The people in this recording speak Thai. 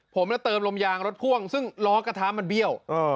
ผมเติมลมยางรถพ่วงซึ่งล้อกระทะมันเบี้ยว